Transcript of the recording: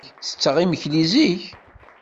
Ttetteɣ imekli zik.